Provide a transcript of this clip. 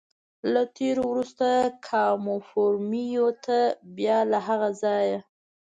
له تېرېدو وروسته کاموفورمیو ته، بیا له هغه ځایه.